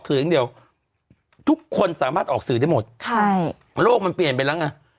สื่อที่หมดทุกคนสามารถออกสื่อได้หมดร่วมเปลี่ยนไปแล้วไง